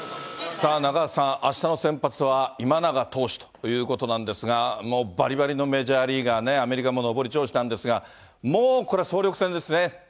さあ、中畑さん、あしたの先発は今永投手ということなんですが、ばりばりのメジャーリーガーね、アメリカも上り調子なんですが、もうこれは総力戦ですね。